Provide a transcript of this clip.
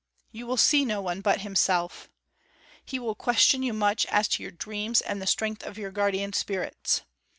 You will see no one but himself. He will question you much as to your dreams and the strength of your guardian spirits.